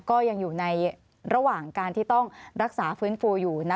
ก็ยังอยู่ในระหว่างการที่ต้องรักษาฟื้นฟูอยู่